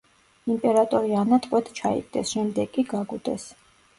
იმპერატორი ანა ტყვედ ჩაიგდეს, შემდეგ კი გაგუდეს.